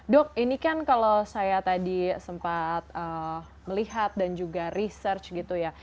dok ini kan kalau saya tadi sempat melihat dan juga research gitu ya